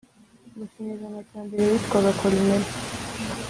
mu kinyejana cya mbere witwaga Columella